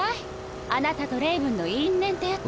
あなたとレイブンの因縁ってやつ。